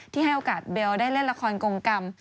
ให้โอกาสเบลได้เล่นละครกงกรรม